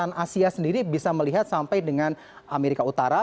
asia sendiri bisa melihat sampai dengan amerika utara